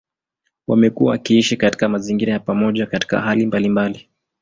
Wamekuwa wakiishi katika mazingira ya pamoja katika hali mbalimbali.